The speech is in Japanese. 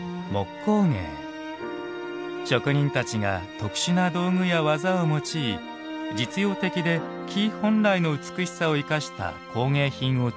職人たちが特殊な道具や技を用い実用的で木本来の美しさを生かした工芸品を作り出します。